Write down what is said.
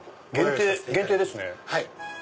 限定ですね。